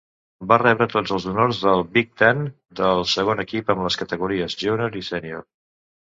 Va rebre tots els honors del Big Ten del segon equip amb les categories júnior i sènior.